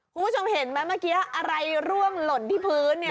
คุณผู้ชมเห็นไหมเมื่อกี้อะไรร่วงหล่นที่พื้นเนี่ย